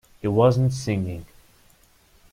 He wasn't singing.